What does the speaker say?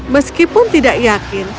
meskipun tidak yakin